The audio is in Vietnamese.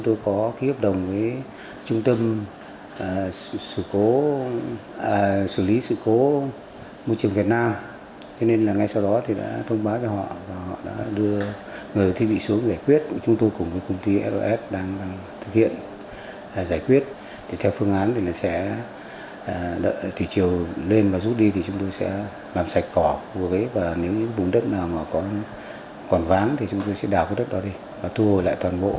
trong ngày một mươi hai tháng một mươi một trung tâm ứng phó sự cố môi trường việt nam tiếp tục thu gom toàn bộ lượng dầu tràn trên mặt sông